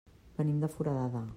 Venim de Foradada.